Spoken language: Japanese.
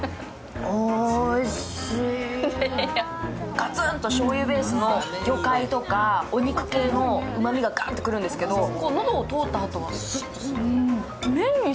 ガツンとしょうゆベースの魚介とか、お肉系のうまみががっとくるんですけど、喉を通ったあとはスッとする。